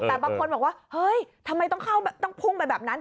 แต่บางคนบอกว่าเฮ้ยทำไมต้องเข้าต้องพุ่งไปแบบนั้น